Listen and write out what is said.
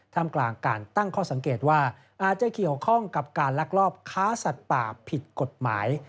ทำกลางการตั้งข้อสังเกตว่าอาจจะเกี่ยวข้องกับการลักลอบค้าสัตว์ป่าผิดกฎหมาย